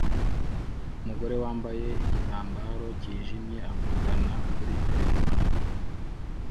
umugore wambaye igitambaro cyijimye avugana kuri terefone